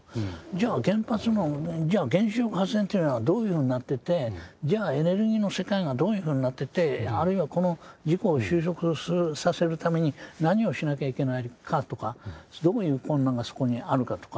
じゃあ原子力発電っていうのはどういうふうになっててじゃあエネルギーの世界がどういうふうになっててあるいはこの事故を収束させるために何をしなきゃいけないかとかどこに困難がそこにあるかとか。